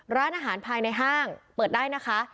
ร้านอาหารภายในห้างเปิดได้นะคะ